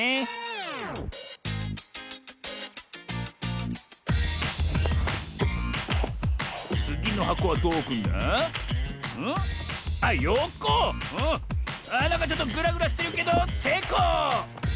なんかちょっとぐらぐらしてるけどせいこう！